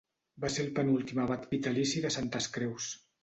Va ser el penúltim abat vitalici de Santes Creus.